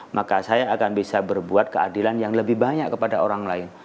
maka saya akan bisa berbuat keadilan yang lebih banyak kepada orang lain